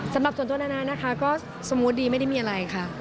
สำหรับส่วนตัวนานานะคะก็สมมุติดีไม่ได้มีอะไรค่ะ